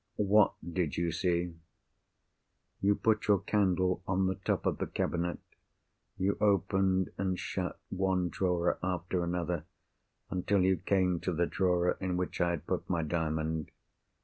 "What did you see?" "You put your candle on the top of the cabinet. You opened, and shut, one drawer after another, until you came to the drawer in which I had put my Diamond.